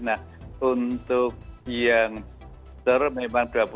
nah untuk yang keempat itu adalah vaksinasi vaksinasi